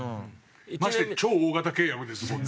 ましてや超大型契約ですもんね。